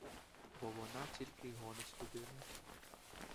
Бо вона тільки й гонить людину.